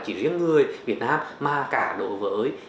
chỉ riêng người việt nam mà cả đối với